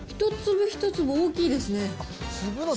おっ、一粒一粒大きいですね。